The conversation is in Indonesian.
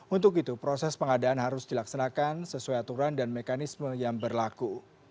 untuk itu proses pengadaan harus dilaksanakan sesuai aturan dan mekanisme yang berlaku